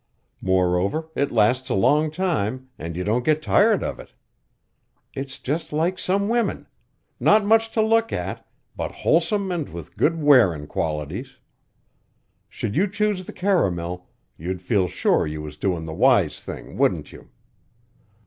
Moreover, it lasts a long time an' you don't get tired of it. It's just like some women not much to look at, but wholesome an' with good wearin' qualities. Should you choose the caramel, you'd feel sure you was doin' the wise thing, wouldn't you?"